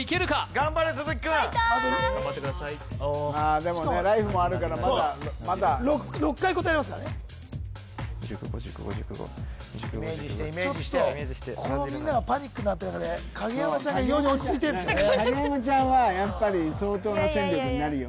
頑張れ鈴木くんファイトーでもねライフもあるからまだそう６回答えられますからねイメージしてイメージしてみんながパニックになってる中で影山ちゃんが異様に落ち着いてる影山ちゃんはやっぱり相当な戦力になるよ